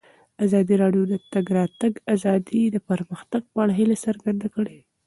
ازادي راډیو د د تګ راتګ ازادي د پرمختګ په اړه هیله څرګنده کړې.